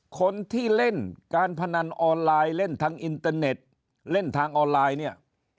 คนที่เล่นการพนันออนไลน์เล่นทางอินเตอร์เน็ตเล่นทางออนไลน์เนี่ย